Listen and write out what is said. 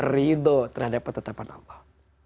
ridho terhadap ketetapan allah